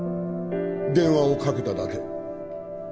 「電話をかけただけ」